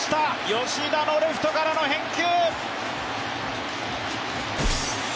吉田のレフトからの返球。